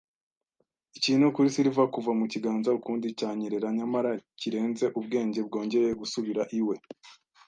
ikintu kuri Silver, kuva mukiganza ukundi, cyanyerera nyamara kirenze ubwenge bwongeye gusubira iwe